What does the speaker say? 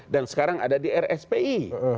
dan sekarang ada di rspi